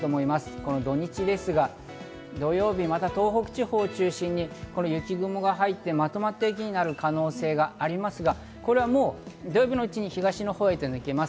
この土日ですが、土曜日、また東北地方を中心に雪雲が入って、まとまった雪になる可能性がありますが、これは土曜日のうちに東の方へ抜けます。